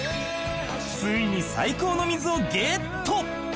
［ついに最高の水をゲット］